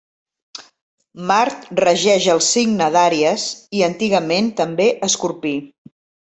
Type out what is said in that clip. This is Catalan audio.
Mart regeix el signe d'Àries i antigament també Escorpí.